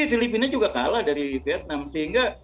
filipina juga kalah dari vietnam sehingga